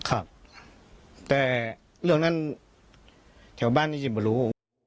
ครับแต่เรื่องนั้นแถวบ้านนี้จะมารู้